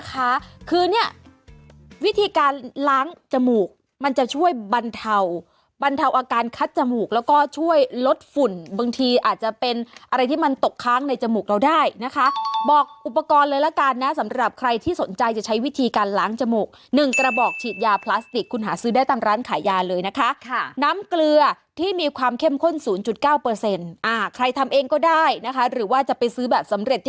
คือเนี่ยวิธีการล้างจมูกมันจะช่วยบรรเทาบรรเทาอาการคัดจมูกแล้วก็ช่วยลดฝุ่นบางทีอาจจะเป็นอะไรที่มันตกค้างในจมูกเราได้นะคะบอกอุปกรณ์เลยละกันนะสำหรับใครที่สนใจจะใช้วิธีการล้างจมูกหนึ่งกระบอกฉีดยาพลาสติกคุณหาซื้อได้ตามร้านขายยาเลยนะคะน้ำเกลือที่มีความเข้มข้น๐๙ใครทำเองก็ได้นะคะหรือว่าจะไปซื้อแบบสำเร็จ